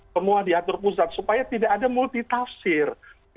semua diatur pusat supaya tidak ada multitafsir